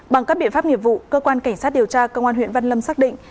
bằng các biện pháp nghiệp vụ cơ quan cảnh sát điều tra công an huyện văn lâm xác định